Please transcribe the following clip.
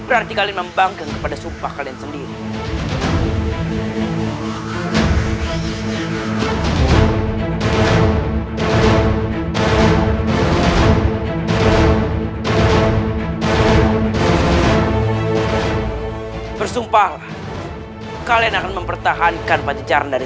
berarti kalian membanggang kepada sumpah kalian sendiri